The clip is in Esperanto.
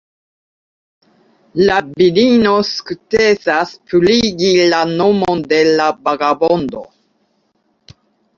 La virino sukcesas purigi la nomon de la vagabondo.